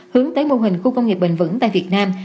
hướng tới mô hình khu công nghiệp bền vững tại việt nam